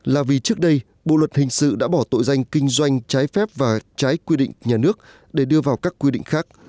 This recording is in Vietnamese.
là vì trước đây bộ luật hình sự đã bỏ tội danh kinh doanh trái phép và trái quy định nhà nước để đưa vào các quy định khác